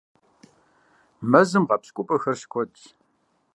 Мэзым гъэпщкӀупӀэхэр щыкуэдщ.